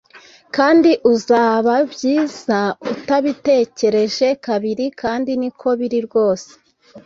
Kandi uzaba byiza utabitekereje kabiri kandi niko biri rwose